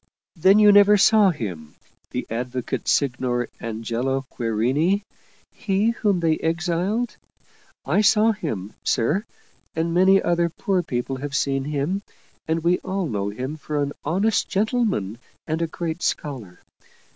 " Then you never saw him, the Advocate Signer Angelo Querini, he whom they exiled? I saw him, sir, and many other poor people have seen him, and we all know him for an honest gentleman and a great scholar.